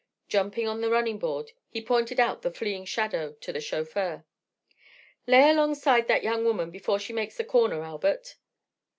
Jumping on the running board he pointed out the fleeing shadow to the chauffeur. "Lay alongside that young woman before she makes the corner, Albert!"